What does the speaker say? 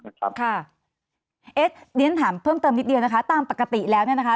เดี๋ยวเรียนถามเพิ่มเติมนิดเดียวนะคะตามปกติแล้วเนี่ยนะคะ